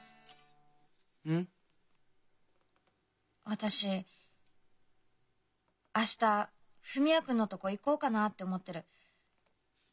私明日文也君のとこ行こうかなと思ってる。